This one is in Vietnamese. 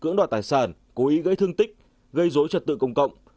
như giết người cướp tài sản cưỡng đoạt tài sản cố ý gây thương tích gây dối trật tự công cộng